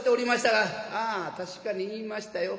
「ああ確かに言いましたよ。